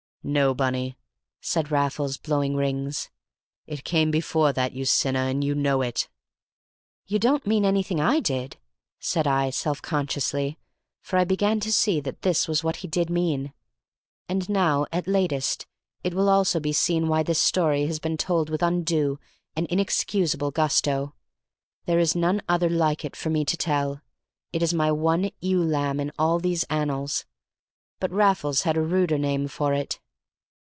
"No, Bunny," said Raffles, blowing rings. "It came before that, you sinner, and you know it!" "You don't mean anything I did?" said I, self consciously, for I began to see that this was what he did mean. And now at latest it will also be seen why this story has been told with undue and inexcusable gusto; there is none other like it for me to tell; it is my one ewe lamb in all these annals. But Raffles had a ruder name for it.